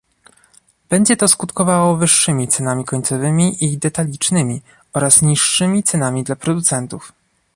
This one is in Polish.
Będzie to skutkowało wyższymi cenami końcowymi i detalicznymi oraz niższymi cenami dla producentów